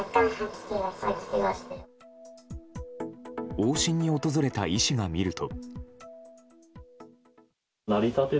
往診に訪れた医師が診ると。